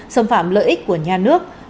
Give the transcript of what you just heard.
xâm phạm lợi ích của nhà nước